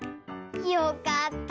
よかった。